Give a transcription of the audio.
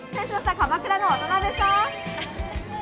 鎌倉の渡邊さん。